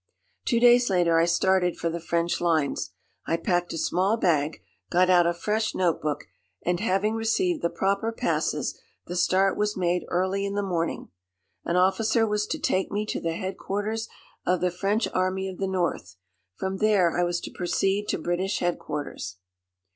Two days later I started for the French lines. I packed a small bag, got out a fresh notebook, and, having received the proper passes, the start was made early in the morning. An officer was to take me to the headquarters of the French Army of the North. From there I was to proceed to British headquarters.